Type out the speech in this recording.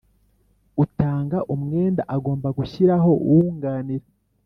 Utanga umwenda agomba gushyiraho uwunganira